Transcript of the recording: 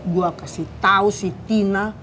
gue kasih tau si tina